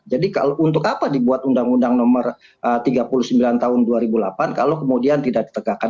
jadi kalau untuk apa dibuat undang undang nomor tiga puluh sembilan tahun dua ribu delapan kalau kemudian tidak ditegakkan